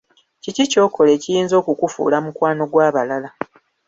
Kiki kyokola ekiyinza okukufuula mukwano gw'abalala?